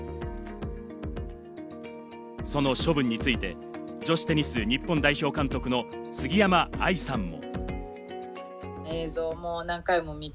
その処分について、女子テニス日本代表監督の杉山愛さんも。